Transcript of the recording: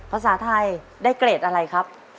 ภาษาไทยได้เกรดอะไรครับ